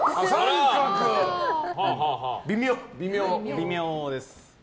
微妙です。